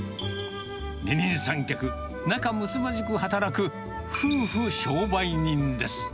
二人三脚、仲むつまじく働く夫婦商売人です。